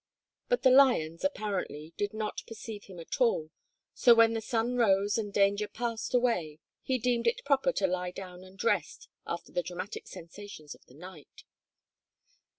But the lions, apparently, did not perceive him at all, so when the sun rose and danger passed away he deemed it proper to lie down and rest after the dramatic sensations of the night.